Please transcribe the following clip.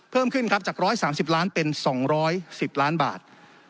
เพิ่มขึ้นครับจาก๑๓๐ล้านเป็น๒๑๐ล้านบาท